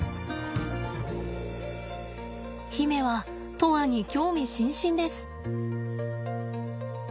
媛は砥愛に興味津々です。